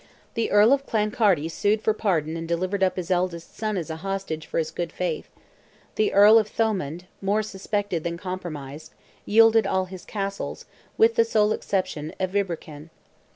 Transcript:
The Earl of Clancarty sued for pardon and delivered up his eldest son as a hostage for his good faith; the Earl of Thomond—more suspected than compromised—yielded all his castles, with the sole exception of Ibrackan.